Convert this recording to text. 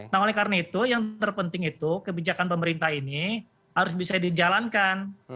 nah oleh karena itu yang terpenting itu kebijakan pemerintah ini harus bisa dijalankan